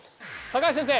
高橋先生！